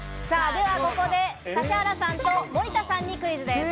ではここで指原さんと森田さんにクイズです。